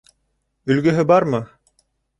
Өлгөһө бармы?